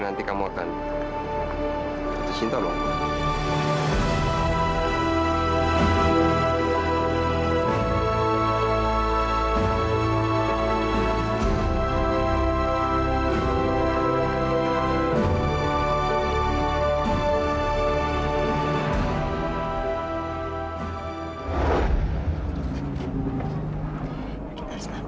kenapa kamu nggak bisa keluar dari kehidupan aku